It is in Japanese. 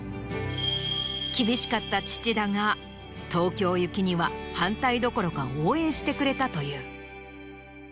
厳しかった父だが東京行きには反対どころか応援してくれたという。